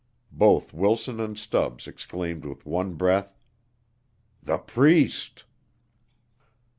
Both Wilson and Stubbs exclaimed with one breath: "The Priest!"